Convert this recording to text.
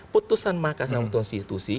putusan mahakassam konstitusi